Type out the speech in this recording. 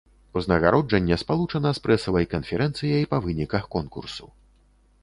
Узнагароджанне спалучана з прэсавай канферэнцыяй па выніках конкурсу.